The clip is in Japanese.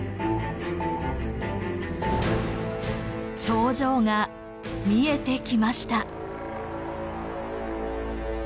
長城が見えてきました。